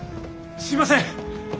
すいません！